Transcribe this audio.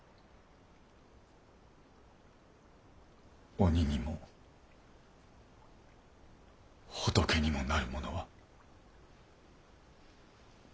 鬼にも仏にもなる者は。